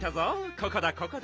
ここだここだ。